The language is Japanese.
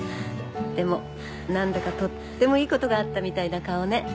でも何だかとってもいいことがあったみたいな顔ね。